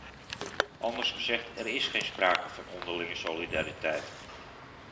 Anders gezegd, er is geen sprake van onderlinge solidariteit.